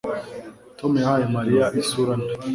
Tom yahaye Mariya isura mbi